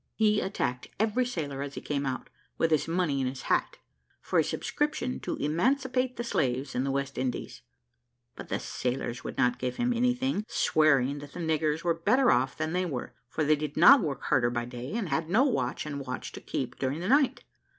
He attacked every sailor as he came out, with his money in his hat, for a subscription to emancipate the slaves in the West Indies; but the sailors would not give him anything, swearing that the niggers were better off than they were; for they did not work harder by day, and had no watch and watch to keep during the night.